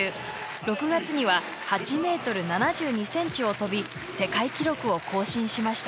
６月には８ｍ７２ｃｍを跳び世界記録を更新しました。